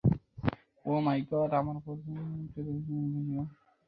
Oh my god, আমার প্রথম চোদাচুদির ভিডিও!